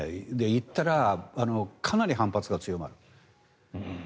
言ったら、かなり反発が強まる。